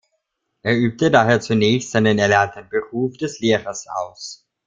Er übte daher zunächst seinen erlernten Beruf des Lehrers aus.